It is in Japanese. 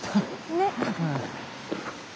ねっ。